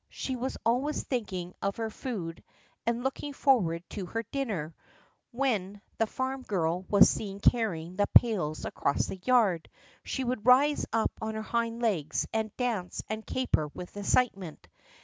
She was always thinking of her food and looking forward to her dinner; and when the farm girl was seen carrying the pails across the yard, she would rise up on her hind legs and dance and caper with excitement.